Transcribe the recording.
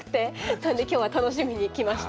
なので今日は楽しみにきました。